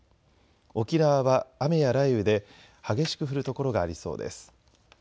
沖縄は雨や雷雨で激しく降る所がありそうです。